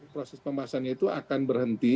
proses pembahasannya itu akan berhenti